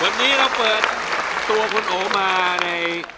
วันนี้เราเปิดตัวคุณโอมาใน